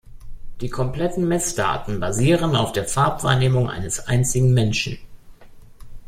Die kompletten Messdaten basieren auf der Farbwahrnehmung eines einzigen Menschen.